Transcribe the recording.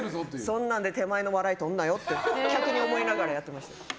そんなんで手前の笑いとるなよって客に思いながらやってました。